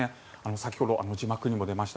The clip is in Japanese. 先ほど字幕にも出ました